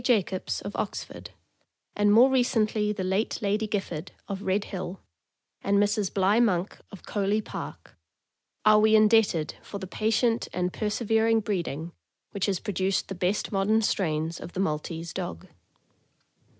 Jacobs, of Ox ford, and more recently the late Lady Gifford, of Red Hill, and Mrs. Bligh Monk, of Coley Park, are we indebted for the patient and persevering breeding which has produced the best modern strains of the Maltese dog.